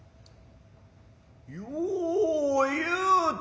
よう言うた。